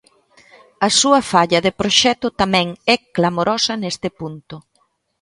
A súa falla de proxecto tamén é clamorosa neste punto.